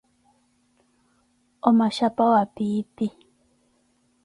O Machapa wa piipi